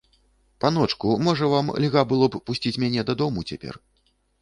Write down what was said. Паночку, можа вам льга было б пусціць мяне дадому цяпер.